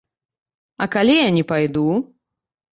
А калі я не пайду?